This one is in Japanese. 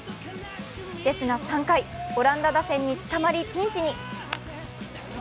ですが３回、オランダ打線につかまりピンチに。